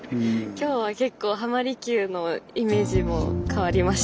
今日は結構浜離宮のイメージも変わりましたね。